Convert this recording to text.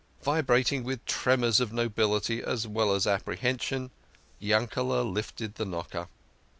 Vibrating with tremors of nobility as well as of apprehen sion, Yanked lifted the knocker.